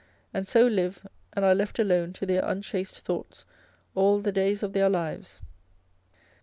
and so live and are left alone to their unchaste thoughts all the days of their lives.